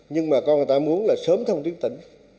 nhưng mà con người ta muốn là sớm thông tuyến tỉnh